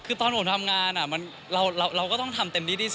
คือตอนผมทำงานเราก็ต้องทำเต็มที่ที่สุด